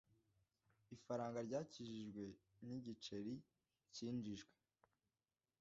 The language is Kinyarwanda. Ifaranga ryakijijwe ni igiceri cyinjijwe